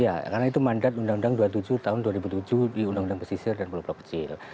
iya karena itu mandat undang undang dua puluh tujuh tahun dua ribu tujuh di undang undang pesisir dan pulau pulau kecil